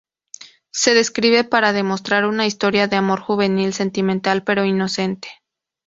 Se describe para demostrar una historia de amor juvenil sentimental, pero inocente.